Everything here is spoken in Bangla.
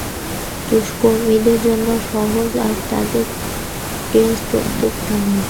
দুষ্কর্মকারীদের জন্য সহজ, আর তাদের টেস্টও খুব দারুণ।